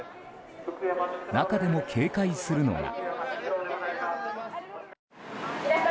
中でも警戒するのが。